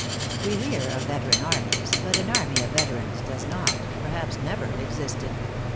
We hear of veteran armies, but an army of veterans does not, perhaps never existed.